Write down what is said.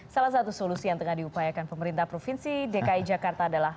salah satu solusi yang tengah diupayakan pemerintah provinsi dki jakarta adalah